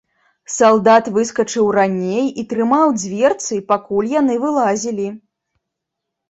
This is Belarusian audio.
Салдат выскачыў раней і трымаў дзверцы, пакуль яны вылазілі.